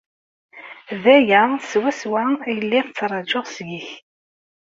D aya swaswa i lliɣ ttrajuɣ seg-k.